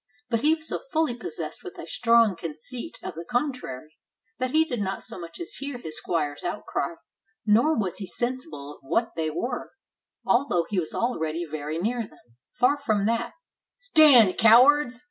But he was so fully possessed with a strong conceit of the contrary, that he did not so much as hear his squire's outcry, nor was he sensible of what they were, although he was already very near them : far from that, "Stand, cowards!"